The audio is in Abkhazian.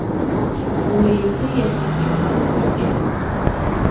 Уи изы иахьагьы сгәы ҭынчым.